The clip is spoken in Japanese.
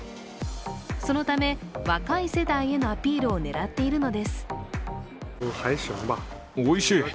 そのため、若い世代へのアピールを狙っているのです。